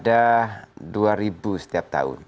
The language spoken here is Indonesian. ya ada dua setiap tahun